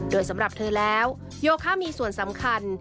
โดยสำหรับเธอแล้วโยคะมีส่วนสำคัญ